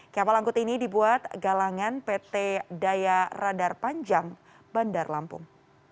kapal angkut ini dibuat galangan pt daya radar panjang bandar lampung